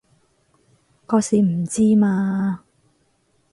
嗰時唔知嘛